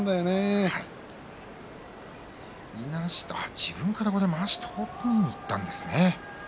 自分から、まわしを取りにいったんですね。